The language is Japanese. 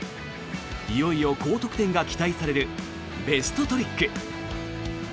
いよいよ高得点が期待されるベストトリック。